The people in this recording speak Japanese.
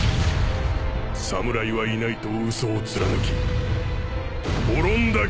侍はいないと嘘を貫き滅んだ貴様